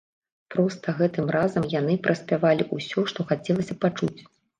Проста гэтым разам яны праспявалі ўсё, што хацелася пачуць.